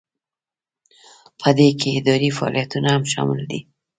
په دې کې اداري فعالیتونه هم شامل دي.